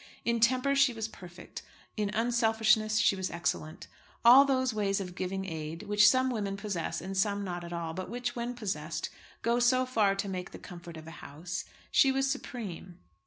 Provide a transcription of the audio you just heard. In temper she was perfect; in unselfishness she was excellent. In all those ways of giving aid, which some women possess and some not at all, but which, when possessed, go so far to make the comfort of a house, she was supreme.